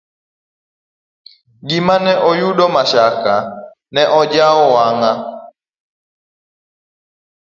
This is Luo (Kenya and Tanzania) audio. Gima ne oyudo Mashaka, ne oyawo wang'a.